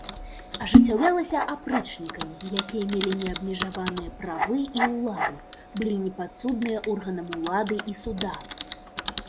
Ажыццяўлялася апрычнікамі, якія мелі неабмежаваныя правы і ўладу, былі непадсудныя органам улады і суда.